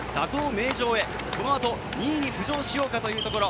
名城へ、このあと２位に浮上しようかというところ。